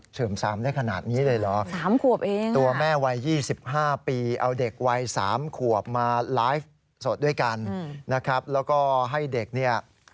สามขวบมาไลฟ์สดด้วยกันนะครับแล้วก็ให้เด็กเนี่ย